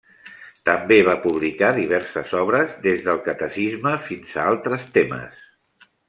També va publicar diverses obres, des del catecisme fins a altres temes.